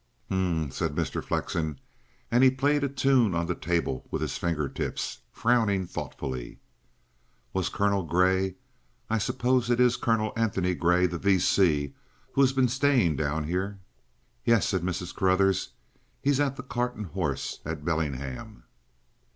"M'm," said Mr. Flexen, and he played a tune on the table with his finger tips, frowning thoughtfully. "Was Colonel Grey I suppose it is Colonel Antony Grey the V.C. who has been staying down here?" "Yes," said Mrs. Carruthers. "He's at the 'Cart and Horses' at Bellingham."